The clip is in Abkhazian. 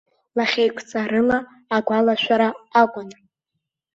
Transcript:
Лахьеиқәҵарыла агәаларшәара акәын.